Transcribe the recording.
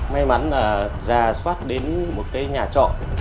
may mắn là giả soát đến một cái nhà trọ